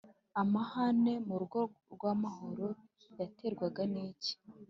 amahane mu rugo kwa mahoro yaterwaga n’iki’